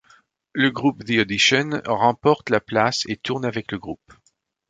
Le groupe The Audition remporte la place et tourne avec le groupe.